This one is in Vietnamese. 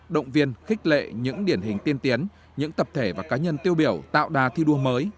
động viên khích lệ những điển hình tiên tiến những tập thể và cá nhân tiêu biểu tạo đà thi đua mới